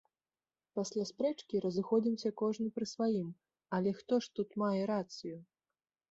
Пасля спрэчкі разыходзімся кожны пры сваім, але хто ж тут мае рацыю?